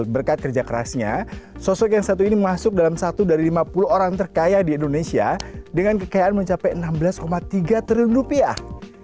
berkat kerja kerasnya sosok yang satu ini masuk dalam satu dari lima puluh orang terkaya di indonesia dengan kekayaan mencapai enam belas tiga triliun rupiah